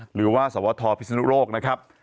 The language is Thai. หรือว่าสวทพิศนุโลกนะครับ